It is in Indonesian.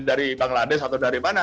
dari bangladesh atau dari mana